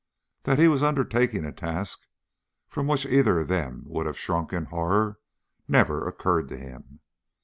That he was undertaking a task from which either of them would have shrunk in horror never occurred to him.